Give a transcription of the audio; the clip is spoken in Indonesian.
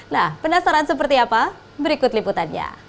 nah penasaran seperti apa berikut liputannya